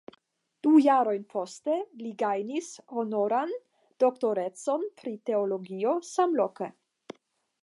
Du jarojn poste li gajnis honoran doktorecon pri teologio samloke.